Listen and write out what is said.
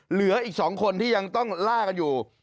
เหลืออีก๒คนที่ยังต้องล่ากันอยู่